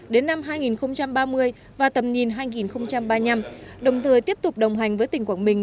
đến năm hai nghìn ba mươi và tầm nhìn hai nghìn ba mươi năm đồng thời tiếp tục đồng hành với tỉnh quảng bình